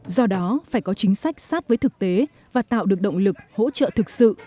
do đó phải có chính sách sát với thực tế và tạo được động lực hỗ trợ thực sự